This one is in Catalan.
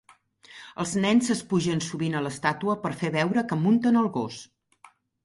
Els nens es pugen sovint a l'estàtua per fer veure que munten el gos.